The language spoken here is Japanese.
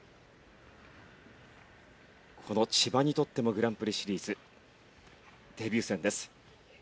この千葉にとってもグランプリシリーズデビュー戦です。